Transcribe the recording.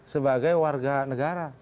sebagai warga negara